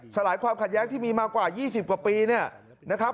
ลายความขัดแย้งที่มีมากว่า๒๐กว่าปีเนี่ยนะครับ